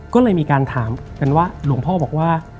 ก็เลยมีการถามกันว่าหลวงพ่อบอกว่า